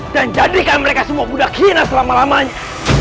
dan jadikan mereka semua budak kina selama lamanya